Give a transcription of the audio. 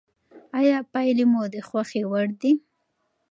آیا پایلې مو د خوښې وړ دي؟